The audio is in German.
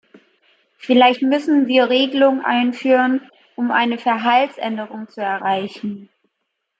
Vielleicht müssen wir Regelungen einführen, um eine Verhaltsänderung zu erreichen.